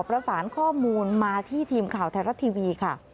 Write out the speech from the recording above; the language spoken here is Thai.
ประสานข้อมูลมาที่ทีมข่าวไทยรัฐทีวีค่ะ